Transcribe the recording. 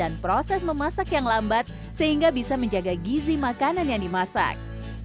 dan proses memasak yang lambat sehingga bisa menjaga gizi makanan yang dimasak